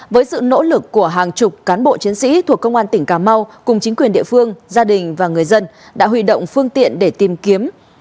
với sự nỗ lực của hàng chục cán bộ chiến sĩ thuộc công an tỉnh cà mau cùng chính quyền địa phương gia đình và người dân đã huy động phương tiện để tìm kiếm